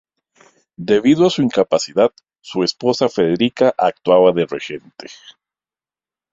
Debido a su incapacidad, su esposa Federica actuaba de regente.